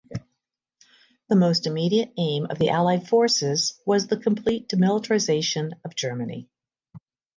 The most immediate aim of the allied forces was the complete demilitarisation of Germany.